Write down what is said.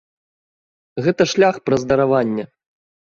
Гэта шлях праз дараванне.